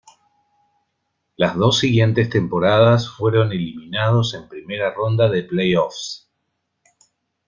Las dos siguientes temporadas fueron eliminados en primera ronda de play-offs.